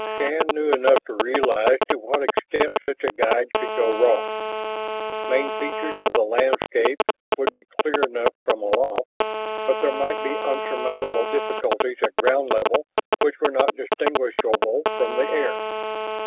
Shann knew enough to realize to what extent such a guide could go wrong. Main features of the landscape would be clear enough from aloft, but there might be unsurmountable difficulties at ground level which were not distinguishable from the air.